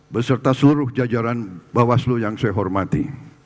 beserta seluruh jajaran bawaslu yang saya hormati